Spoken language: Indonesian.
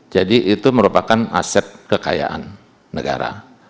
jadi itu merupakan aset kekayaan negara